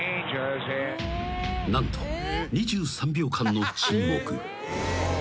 ［何と２３秒間の沈黙］